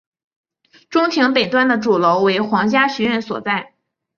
中庭北端的主楼为皇家学院所在。